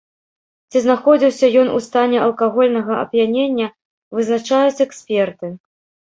Ці знаходзіўся ён у стане алкагольнага ап'янення, вызначаюць эксперты.